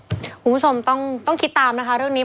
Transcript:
คุณผู้ชมต้องคิดตามนะคะเรื่องนี้